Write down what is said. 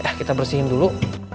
ya kita bersihin dulu